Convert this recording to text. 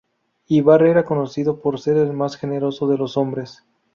Ivar era conocido por ser el más generoso de los hombres.